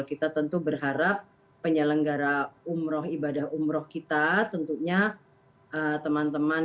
kita tentu berharap penyelenggara umroh ibadah umroh kita tentunya teman teman